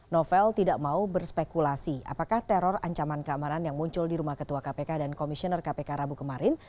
novel tidak mau berspekulasi apakah teror ancaman keamanan yang muncul di rumah ketua kpk dan komisioner kpk rabu kemarin